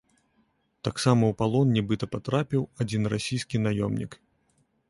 Таксама ў палон нібыта патрапіў адзін расійскі наёмнік.